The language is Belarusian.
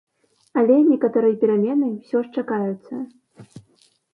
Але некаторыя перамены ўсё ж чакаюцца.